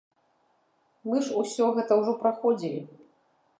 Мы ж усё гэта ўжо праходзілі!